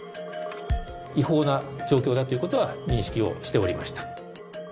違法な状況だということは認識をしておりました。